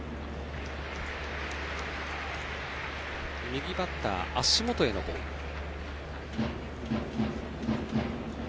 右バッター足元へのボールでした。